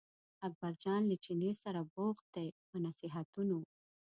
اکبرجان له چیني سره بوخت دی په نصیحتونو.